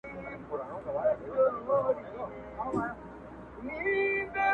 هر نسل يې يادوي بيا بيا,